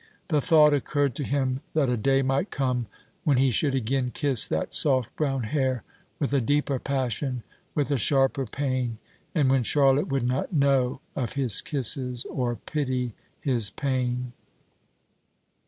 The thought occurred to him that a day might come when he should again kiss that soft brown hair, with a deeper passion, with a sharper pain, and when Charlotte would not know of his kisses, or pity his pain.